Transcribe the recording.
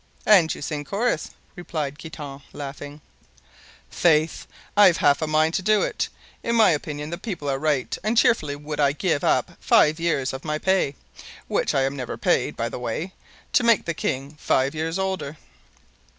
"And you sing chorus," replied Guitant, laughing. "Faith, I've half a mind to do it. In my opinion the people are right; and cheerfully would I give up five years of my pay—which I am never paid, by the way—to make the king five years older."